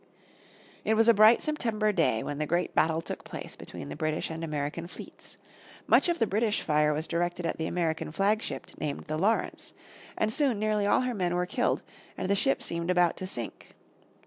It was a bright September day when the great battle took place between the British and American fleets. Much of the British fire was directed at the American flag ship named the Lawrence, and soon nearly all her men were killed, and the ship seemed about to sink.